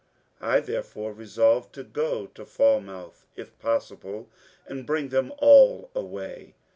I there fore resolved to go to Falmouth, if possible, and bring them all away.